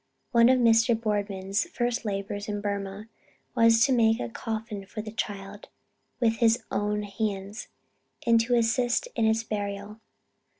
One of Mr. Boardman's first labors in Burmah was to make a coffin for the child with his own hands! and to assist in its burial.